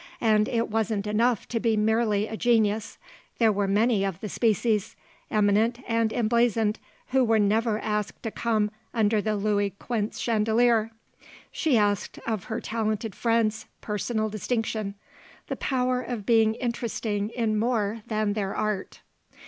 And it wasn't enough to be merely a genius; there were many of the species, eminent and emblazoned, who were never asked to come under the Louis Quinze chandelier. She asked of her talented friends personal distinction, the power of being interesting in more than their art.